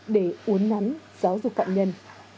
để uốn ngắn giáo dục phạm nhân